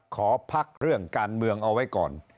ขอพักเรื่องการเมืองเอาไว้ก่อน